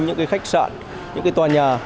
những khách sạn những tòa nhà